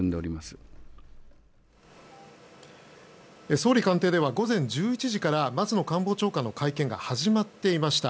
総理官邸では午前１１時から松野官房長官の会見が始まっていました。